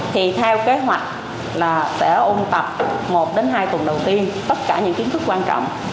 thì theo kế hoạch sẽ ôn tập một hai tuần đầu tiên tất cả những kiến thức quan trọng